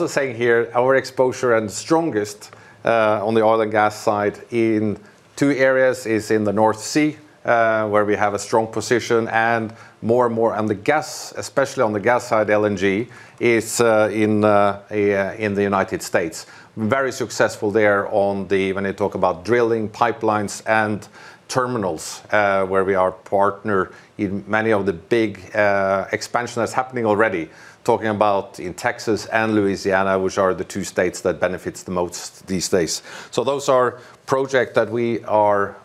saying here our exposure and strongest on the oil and gas side in two areas is in the North Sea, where we have a strong position and more and more on the gas, especially on the gas side, LNG is in the United States. Very successful there when they talk about drilling pipelines and terminals, where we are partner in many of the big expansion that's happening already. Talking about in Texas and Louisiana, which are the two states that benefits the most these days. Those are projects that we are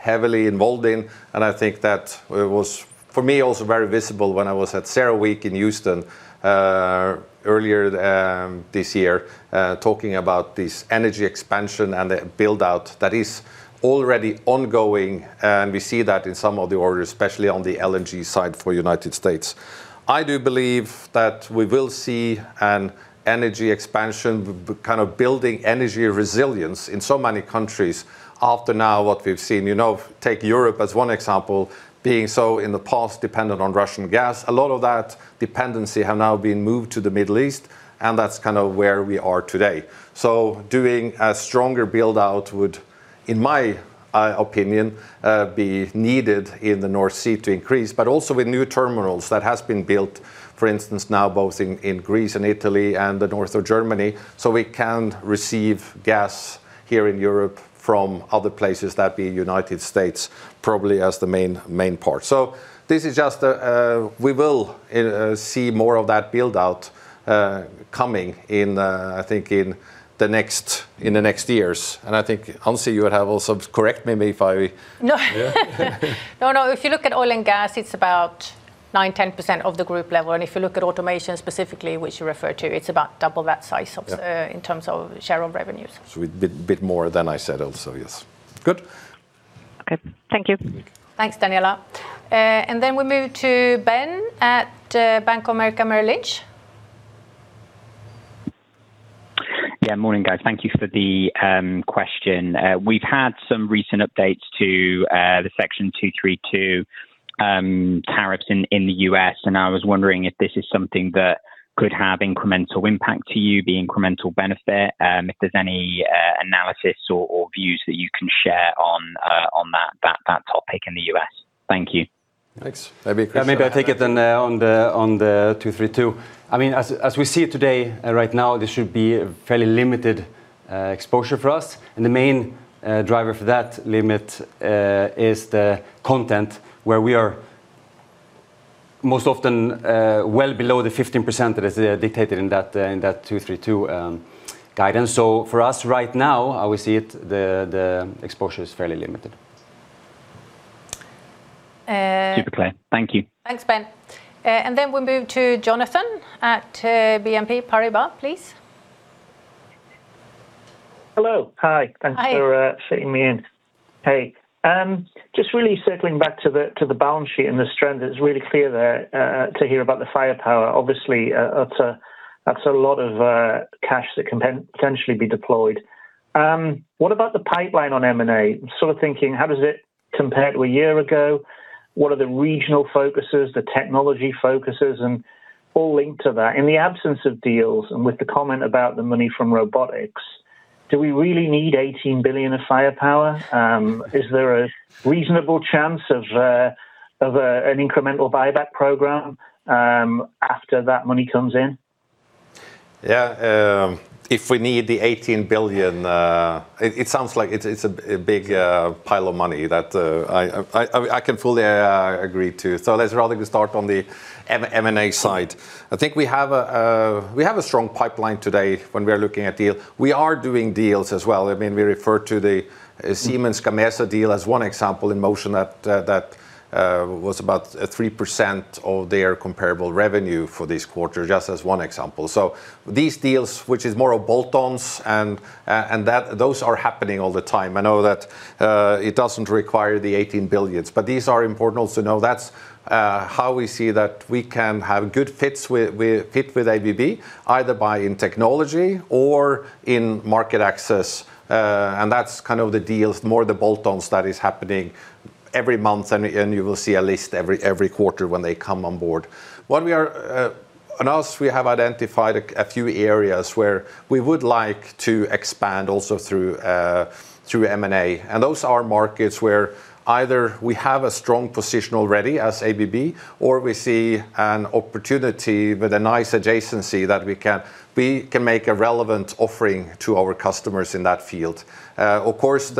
heavily involved in, and I think that it was for me also very visible when I was at CERAWeek in Houston earlier this year, talking about this energy expansion and the build-out that is already ongoing, and we see that in some of the orders, especially on the LNG side for United States. I do believe that we will see an energy expansion, building energy resilience in so many countries after now what we've seen. Take Europe as one example, being so in the past dependent on Russian gas. A lot of that dependency have now been moved to the Middle East, and that's where we are today. Doing a stronger build-out would, in my opinion, be needed in the North Sea to increase, but also with new terminals that has been built, for instance, now both in Greece and Italy and the north of Germany, so we can receive gas here in Europe from other places that be United States probably as the main port. We will see more of that build-out coming I think in the next years, and I think, Ann-Sofie, you would have also. Correct me, if I-
No, if you look at oil and gas, it's about 9%-10% of the group level, and if you look at automation specifically, which you referred to, it's about double that size-
Yeah
-in terms of share of revenues.
A bit more than I said also, yes. Good
Okay. Thank you.
Thanks, Daniela. We move to Ben at Bank of America Merrill Lynch.
Yeah. Morning, guys. Thank you for the question. We've had some recent updates to the Section 232 tariffs in the U.S., and I was wondering if this is something that could have incremental impact to you, the incremental benefit, if there's any analysis or views that you can share on that topic in the U.S. Thank you.
Thanks. Maybe I take it then on the 232. As we see it today, right now, this should be a fairly limited exposure for us. The main driver for that limit is the content where we are most often well below the 15% that is dictated in that 232 guidance. For us right now, how we see it, the exposure is fairly limited.
Super clear. Thank you.
Thanks, Ben. We move to Jonathan at BNP Paribas, please.
Hello. Hi.
Hi.
Thanks for fitting me in. Hey. Just really circling back to the balance sheet and the strength, it's really clear to hear about the firepower. Obviously, that's a lot of cash that can potentially be deployed. What about the pipeline on M&A? Sort of thinking, how does it compare to a year ago? What are the regional focuses, the technology focuses, and all linked to that? In the absence of deals and with the comment about the money from robotics, do we really need $18 billion of firepower? Is there a reasonable chance of an incremental buyback program after that money comes in?
Yeah. If we need the $18 billion, it sounds like it's a big pile of money that I can fully agree to. Let's rather start on the M&A side. I think we have a strong pipeline today when we are looking at deals. We are doing deals as well. We refer to the Siemens Gamesa deal as one example in Motion that was about 3% of their comparable revenue for this quarter, just as one example. These deals, which are more of bolt-ons, and those are happening all the time. I know that it doesn't require the $18 billion, but these are important also to know that's how we see that we can have good fit with ABB, either be it in technology or in market access. That's kind of the deals, more the bolt-ons that is happening every month, and you will see a list every quarter when they come on board. Also we have identified a few areas where we would like to expand also through M&A. Those are markets where either we have a strong position already as ABB, or we see an opportunity with a nice adjacency that we can make a relevant offering to our customers in that field. Of course,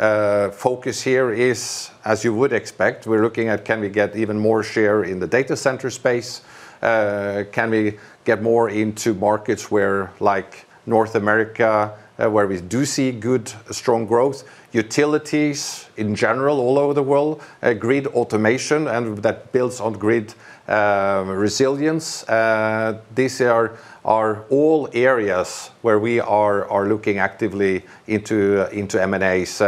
the focus here is, as you would expect, we're looking at can we get even more share in the data center space? Can we get more into markets where, like North America, where we do see good, strong growth, utilities in general all over the world, grid automation, and that builds on grid resilience. These are all areas where we are looking actively into M&As.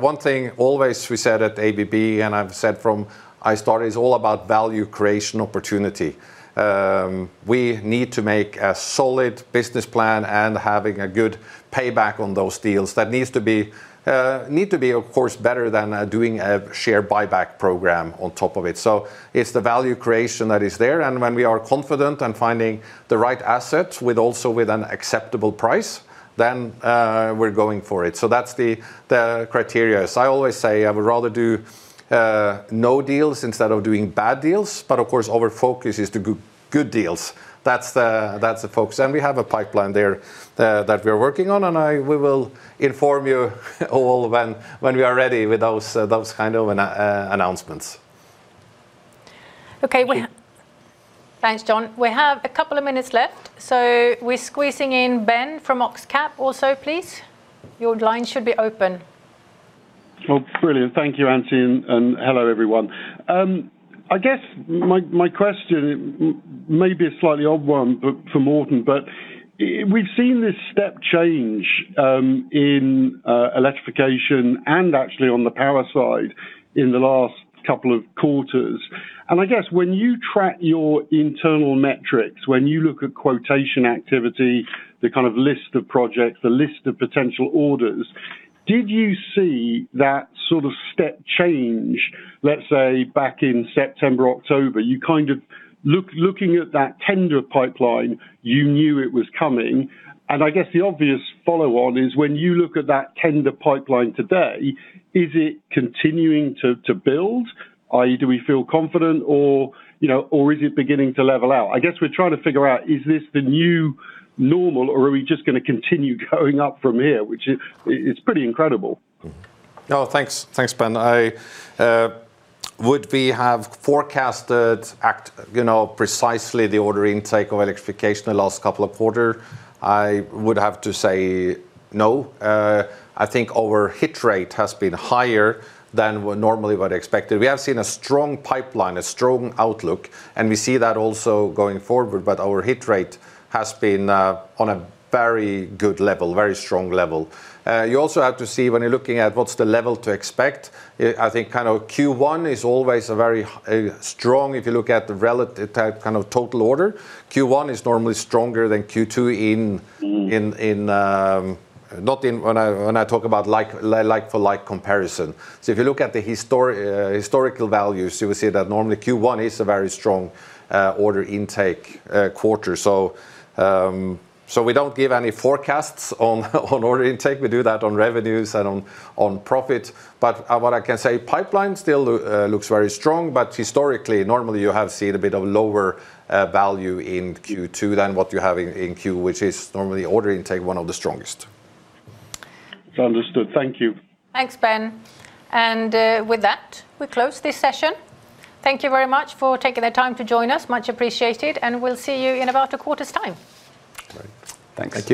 One thing always we said at ABB, and I've said from the start, it's all about value creation opportunity. We need to make a solid business plan and having a good payback on those deals that need to be, of course, better than doing a share buyback program on top of it. It's the value creation that is there, and when we are confident and finding the right assets with also an acceptable price, then we're going for it. That's the criteria. As I always say, I would rather do no deals instead of doing bad deals, but of course, our focus is on good deals. That's the focus. We have a pipeline there that we're working on, and we will inform you all when we are ready with those kind of announcements.
Okay. Thanks, Jon. We have a couple of minutes left, so we're squeezing in Ben from Oxcap also, please. Your line should be open.
Oh, brilliant. Thank you, Ann-Sofie, and hello, everyone. I guess my question may be a slightly odd one for Morten, but we've seen this step change in Electrification and actually on the power side in the last couple of quarters. I guess when you track your internal metrics, when you look at quotation activity, the kind of list of projects, the list of potential orders, did you see that sort of step change, let's say, back in September, October? You kind of looking at that tender pipeline, you knew it was coming. I guess the obvious follow-on is when you look at that tender pipeline today, is it continuing to build? i.e., do we feel confident or is it beginning to level out? I guess we're trying to figure out, is this the new normal or are we just going to continue going up from here, which is pretty incredible.
Oh, thanks. Thanks, Ben. Would we have forecasted at precisely the order intake of Electrification the last couple of quarter? I would have to say no. I think our hit rate has been higher than we normally would expected. We have seen a strong pipeline, a strong outlook, and we see that also going forward, but our hit rate has been on a very good level, very strong level. You also have to see when you're looking at what's the level to expect, I think kind of Q1 is always very strong if you look at the relative kind of total order. Q1 is normally stronger than Q2 when I talk about like for like comparison. If you look at the historical values, you will see that normally Q1 is a very strong order intake quarter. We don't give any forecasts on order intake. We do that on revenues and on profit. What I can say, pipeline still looks very strong, but historically, normally you have seen a bit of lower value in Q2 than what you have in Q1, which is normally order intake one of the strongest.
Understood. Thank you.
Thanks, Ben. With that, we close this session. Thank you very much for taking the time to join us. Much appreciated, and we'll see you in about a quarter's time.
Great. Thanks.